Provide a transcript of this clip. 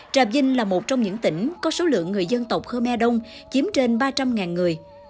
trà vinh là một trong những tỉnh có số lượng người dân tộc khmer đông chiếm trên ba trăm linh người